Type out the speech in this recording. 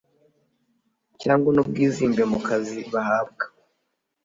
cyangwa ry ubwizimbe mu kazi bahabwa